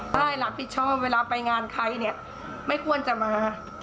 ได้ล่ะชอบว่าเวลาไปงานใครเนี่ยไม่ควรจะมา